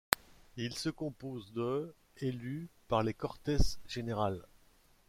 Il se compose de élus par les Cortes Generales.